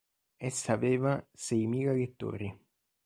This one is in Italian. Essa aveva "seimila lettori".